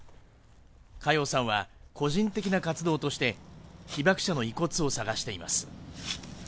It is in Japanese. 嘉陽さんは個人的な活動として、被爆者の遺骨を探しています。